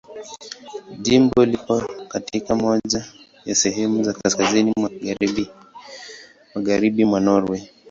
Jimbo lipo katika moja ya sehemu za kaskazini mwa Magharibi mwa Norwei.